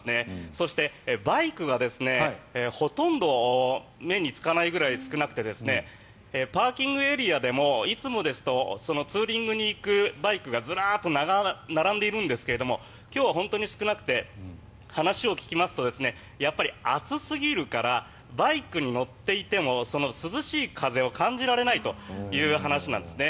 そして、バイクがほとんど目につかないぐらい少なくてパーキングエリアでもいつもですとツーリングに行くバイクがずらっと並んでいるんですが今日は本当に少なくて話を聞きますとやっぱり暑すぎるからバイクに乗っていても涼しい風を感じられないという話なんですね。